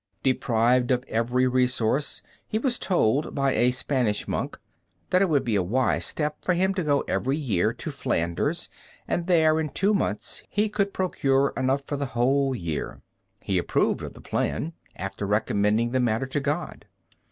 Deprived of every resource, he was told by a Spanish monk that it would be a wise step for him to go every year to Flanders, and there in two months he could procure enough for the whole year. He approved of the plan, after recommending the matter to God.